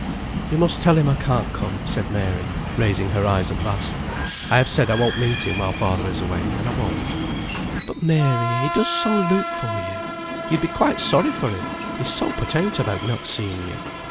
"You must tell him I can't come," said Mary, raising her eyes at last. "I have said I won't meet him while father is away, and I won't." "But, Mary, he does so look for you. You'd be quite sorry for him, he's so put out about not seeing you.